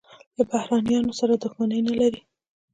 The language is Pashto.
له بهرنیانو سره دښمني نه لري.